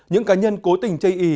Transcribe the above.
những cá nhân cố tình chây ý